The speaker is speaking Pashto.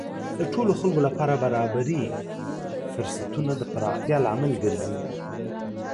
د ټولو خلکو لپاره برابرې فرصتونه د پراختیا لامل ګرځي.